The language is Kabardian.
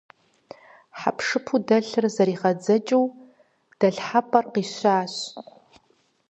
Хьэпшыпу дэлъыр зэригъэдзэкӀыу дэлъхьэпӏэр къищащ.